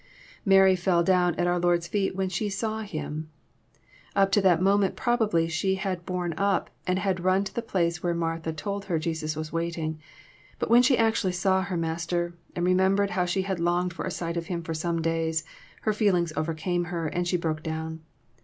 Mary fell down at our Lord's feet when she " saw *• Him. Up to that moment probably she had borne up, and had run to the place where Martha told her Jesus was waiting. But when she actually saw her Master, and remembered how she had longed for a sight of Him for some days, her feelings overcame her, and she broke down.